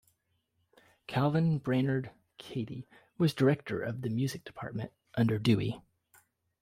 Calvin Brainerd Cady was director of the music department under Dewey.